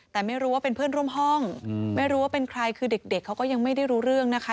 แต่ไม่รู้ว่าเป็นเพื่อนร่วมห้องไม่รู้ว่าเป็นใครคือเด็กเขาก็ยังไม่ได้รู้เรื่องนะคะ